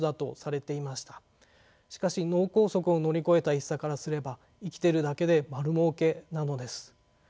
しかし脳梗塞を乗り越えた一茶からすれば生きてるだけで丸儲けなのです。